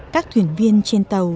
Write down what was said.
các thuyền viên trên tàu